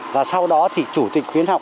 và sau đó thì chủ tịch khuyến học các xã